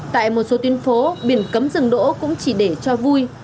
tại một số tuyến phố biển cấm rừng đỗ cũng chỉ để cho vui